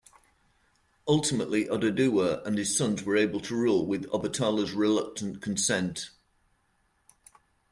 Ultimately, Oduduwa and his sons were able to rule with Obatala's reluctant consent.